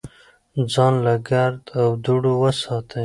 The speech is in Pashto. ځان له ګرد او دوړو وساتئ.